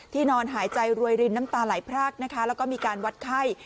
นอนหายใจรวยรินน้ำตาไหลพรากนะคะแล้วก็มีการวัดไข้